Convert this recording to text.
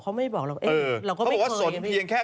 เขาไม่บอกเราก็ไม่เคยเขาบอกว่าสนเพียงแค่